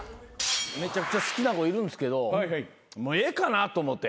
めちゃくちゃ好きな子いるんですけどもうええかなと思って。